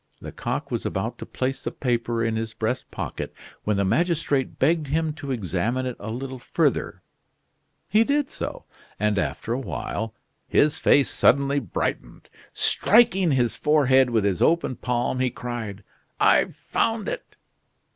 Lecoq was about to place the paper in his breast pocket, when the magistrate begged him to examine it a little further. He did so; and after a while his face suddenly brightened. Striking his forehead with his open palm, he cried: "I've found it!"